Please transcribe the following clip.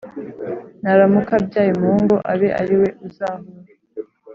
naramuka abyaye umuhungu abe ari we uzahora!"